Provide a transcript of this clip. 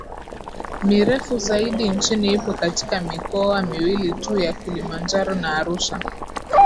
mirefu zaidi nchini ipo katika mikoa miwili tu ya Kilimanjaro na Arusha